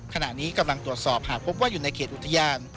ขณะนี้กำลังตรวจสอบหากพบว่าอยู่ในเขตอุทยาน